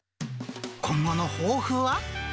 今後の抱負は。